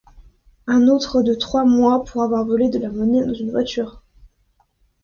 Un autre de trois mois pour avoir volé de la monnaie dans une voiture.